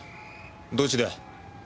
どっちだ？